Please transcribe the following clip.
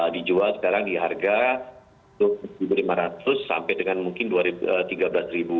dijual sekarang di harga rp satu lima ratus sampai dengan mungkin rp tiga belas